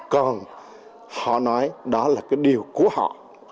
còn họ nói đó là cái điều của họ